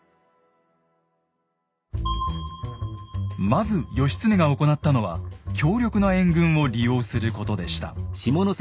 まず義経が行ったのは強力な援軍を利用することでした。